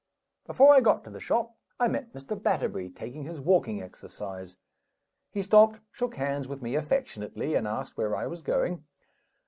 Before I got to the shop, I met Mr. Batterbury taking his walking exercise. He stopped, shook hands with me affectionately, and asked where I was going.